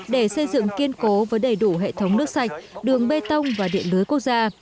để xây dựng kiên cố với đầy đủ hệ thống nước sạch đường bê tông và điện lưới quốc gia